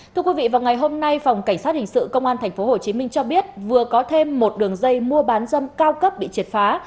thưa quý vị vào ngày hôm nay phòng cảnh sát hình sự công an tp hcm cho biết vừa có thêm một đường dây mua bán dâm cao cấp bị triệt phá